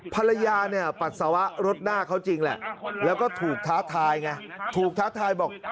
ภรรยาเนี่ยปัสสาวะรถหน้าเขาจริงแหละแล้วก็ถูกท้าทายไงถูกท้าทายบอก